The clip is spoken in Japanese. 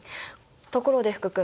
ところで福君。